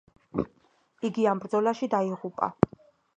იგი ამ ბრძოლაში დაიღუპა.